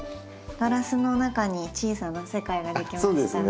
ガラスの中に小さな世界が出来ました。